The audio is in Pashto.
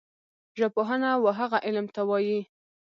ژبپوهنه وهغه علم ته وايي